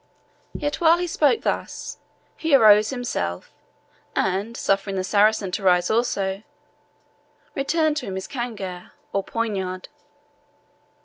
Yet, while he spoke thus, he arose himself, and, suffering the Saracen to rise also, returned him his cangiar, or poniard.